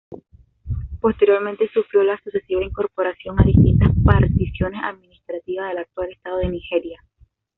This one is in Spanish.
Posteriormente sufrió la sucesiva incorporación a distintas particiones administrativas del actual estado de Nigeria.